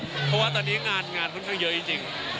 เพราะว่าตอนนี้งานงานค่อนข้างเยอะจริง